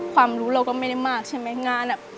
ความรู้เราก็ไม่ได้มากใช่ไหมงาน